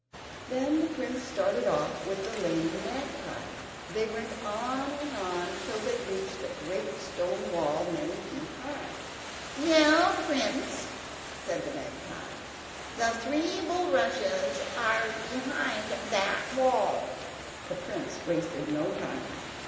Then the prince started off with the lame magpie. They went on and on till they reached a great stone wall, many, many feet high. "Now, prince," said the magpie, "the three bulrushes are behind that wall." The prince wasted no time.